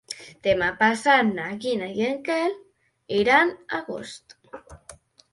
Demà passat na Gina i en Quel iran a Agost.